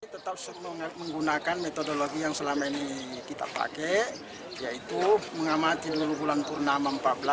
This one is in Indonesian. tetap menggunakan metodologi yang selama ini kita pakai yaitu mengamati bulan bulan purna empat belas lima belas enam belas